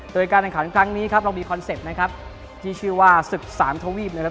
โดยการแข่งขันครั้งนี้ครับเรามีคอนเซ็ปต์นะครับที่ชื่อว่าศึกสามทวีปนะครับ